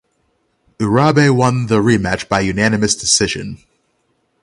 Urabe won the rematch by unanimous decision.